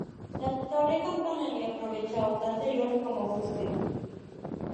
La torre campanario aprovecha otra anterior como fuste.